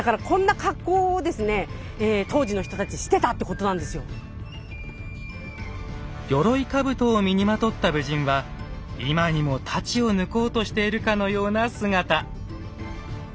この埴輪なんかは鎧兜を身にまとった武人は今にも大刀を抜こうとしているかのような姿。